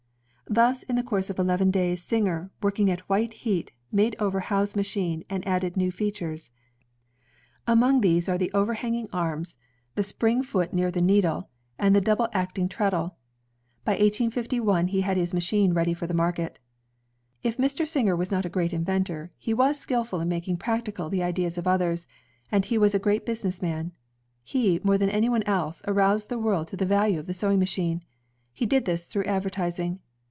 Thus in the course of eleven days, Singer,, working at white heat, made over Howe's machine and added new features. Among these are the overhanging arms, the HIS FIRST UACBIKB ELI AS HOWE 139 spring foot near the needle, and the double acting treadle. By 185 1, he had his machine ready for the market. If Mr. Singer was not a great inventor, he was skillful in making practical the ideas of others, and he was a great business man. He, more than anyone else, aroused the world to the value of the sewing machine. He did this jthrough advertising.